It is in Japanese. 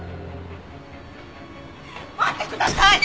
待ってください！